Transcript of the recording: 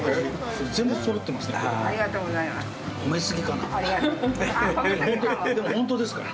全部そろってますね。